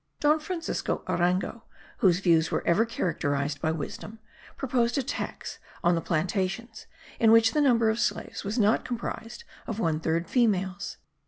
Don Francisco Arango, whose views were ever characterized by wisdom, proposed a tax on the plantations in which the number of slaves was not comprised of one third females.